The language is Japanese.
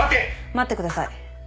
待ってください。